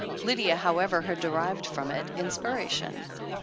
Lydia, however, had derived from it inspiration.